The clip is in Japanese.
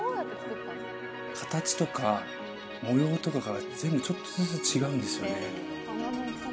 形とか模様とかが全部ちょっとずつ違うんですよね